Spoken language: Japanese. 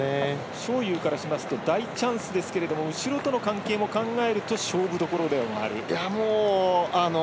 章勇からしますと大チャンスですけれども後ろとの関係も考えると勝負どころでもある。